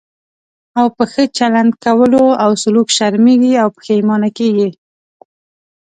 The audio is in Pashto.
او په ښه چلند کولو او سلوک شرمېږي او پښېمانه کېږي.